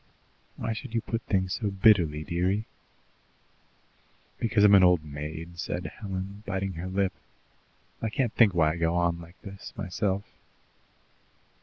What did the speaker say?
"Why should you put things so bitterly, dearie?" "Because I'm an old maid," said Helen, biting her lip. "I can't think why I go on like this myself."